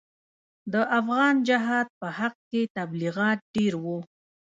د افغان جهاد په حق کې تبلیغات ډېر وو.